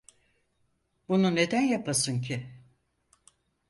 Bunu neden yapasın ki?